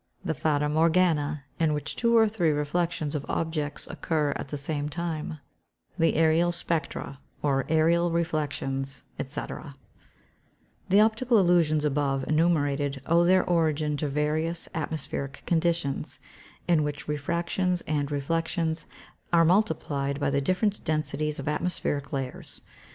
The fata morgana, in which two or three reflections of objects occur at the same time. The ærial spectra, or ærial reflections, &c. [Illustration: Fig. 16. ILLUSTRATING THE APPEARANCE OF PHANTOM SHIPS.] The optical illusions above enumerated owe their origin to various atmospheric conditions, in which refractions and reflections are multiplied by the different densities of atmospheric layers.